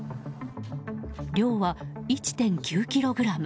量は１．９ｋｇ。